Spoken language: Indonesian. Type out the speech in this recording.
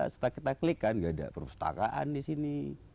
setelah kita klik kan gak ada perpustakaan di sini